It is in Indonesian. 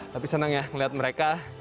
tapi senang ya ngeliat mereka